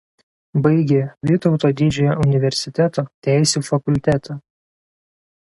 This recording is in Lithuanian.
Baigė Vytauto Didžiojo universiteto Teisių fakultetą.